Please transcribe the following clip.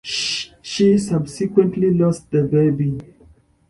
She subsequently lost the baby.